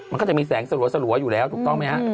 มันก็จะมีแสงสลัวอยู่แล้วถูกต้องไหมฮะ